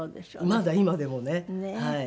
まだ今でもねはい。